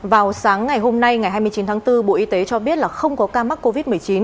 vào sáng ngày hôm nay ngày hai mươi chín tháng bốn bộ y tế cho biết là không có ca mắc covid một mươi chín